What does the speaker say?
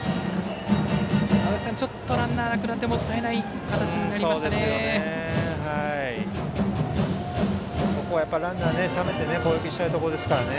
足達さん、ランナーがなくなってもったいない形になりましたね。